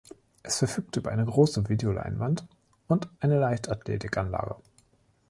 Es verfügt über eine große Videoleinwand und eine Leichtathletikanlage.